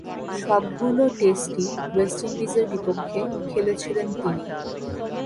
সবগুলো টেস্টই ওয়েস্ট ইন্ডিজের বিপক্ষে খেলেছিলেন তিনি।